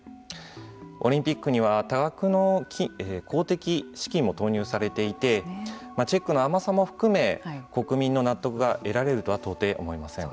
オリンピックには多額の公的資金も投入されていてチェックの甘さも含め国民の納得が得られるとは到底思えません。